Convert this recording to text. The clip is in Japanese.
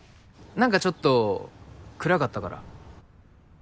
何かちょっと暗かったから。